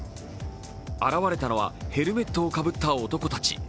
現れたのはヘルメットをかぶった男たち。